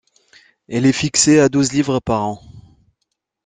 Elle est fixée à douze livres par an.